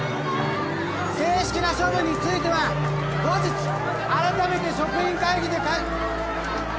正式な処分については後日あらためて職員会議で。